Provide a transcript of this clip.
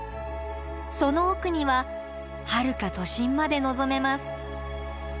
その奥にははるか都心まで望めます。